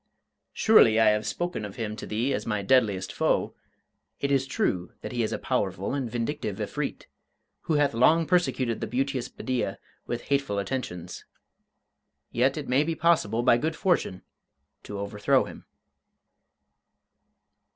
"Surely I have spoken of him to thee as my deadliest foe? It is true that he is a powerful and vindictive Efreet, who hath long persecuted the beauteous Bedeea with hateful attentions. Yet it may be possible, by good fortune, to overthrow him."